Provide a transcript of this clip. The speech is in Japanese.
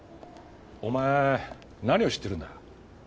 お前何を知ってるんだ？